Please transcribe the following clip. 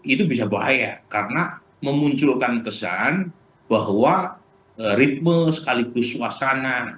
itu bisa bahaya karena memunculkan kesan bahwa ritme sekaligus kekuatan